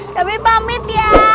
kabed pamit ya